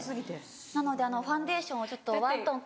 なのでファンデーションをワントーン。